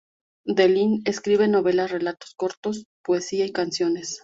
De Lint escribe novelas, relatos cortos, poesía y canciones.